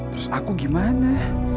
terus aku gimana